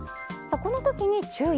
このときに注意。